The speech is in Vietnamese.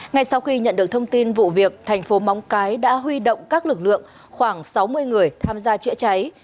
ngay sau khi nhận được thông tin vụ việc thành phố móng cái đã huy động các lực lượng khoảng sáu mươi người tham gia chữa cháy